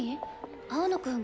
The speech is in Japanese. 青野くん